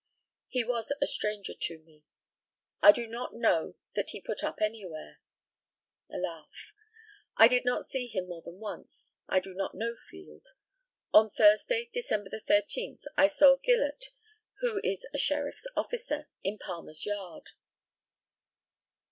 He was a stranger to me. I do not know that he put up anywhere. (A laugh.) I did not see him more than once. I do not know Field. On Thursday, December 13, I saw Gillott, who is a sheriff's officer, in Palmer's yard.